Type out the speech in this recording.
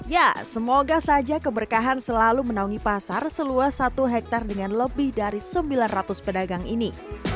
ya semoga saja keberkahan selalu menaungi pasar seluas satu hektare dengan lebih dari sembilan ratus pedagang ini